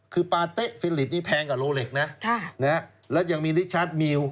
คือปาเต๊ะฟิลิปนี้แพงกว่าโลเล็กนะแล้วยังมีลิชาร์จมิว